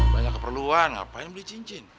banyak keperluan ngapain beli cincin